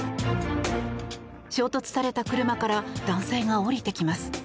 衝突された車から男性が降りてきます。